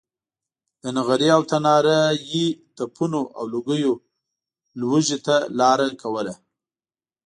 له نغري او تناره یې تپونو او لوګیو ولږې ته لاره کوله.